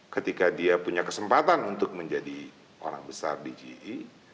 ketika dia punya kesempatan untuk menjadi orang besar di ge